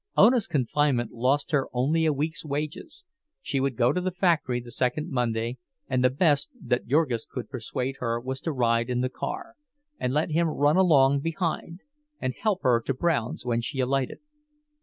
Ona's confinement lost her only a week's wages—she would go to the factory the second Monday, and the best that Jurgis could persuade her was to ride in the car, and let him run along behind and help her to Brown's when she alighted.